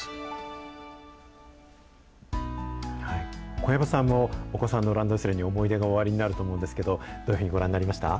小籔さんもお子さんのランドセルに思い出がおありになると思うんですけど、どういうふうにご覧になりました？